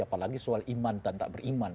apalagi soal iman dan tak beriman